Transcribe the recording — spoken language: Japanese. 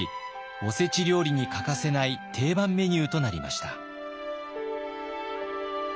おせち料理に欠かせない定番メニューとなりました。